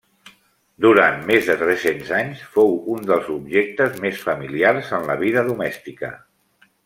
Durant més de tres-cents anys fou un dels objectes més familiars en la vida domèstica.